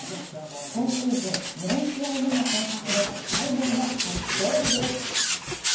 今シーズン４試合目の先発で待望の初勝利です。